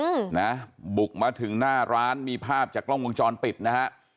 อืมนะบุกมาถึงหน้าร้านมีภาพจากกล้องวงจรปิดนะฮะ